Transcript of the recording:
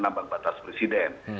nambang batas presiden